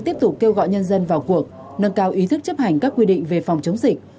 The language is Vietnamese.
tiếp tục kêu gọi nhân dân vào cuộc nâng cao ý thức chấp hành các quy định về phòng chống dịch